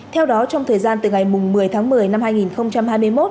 theo đó trong thời gian từ ngày một mươi tháng một mươi năm hai nghìn hai mươi một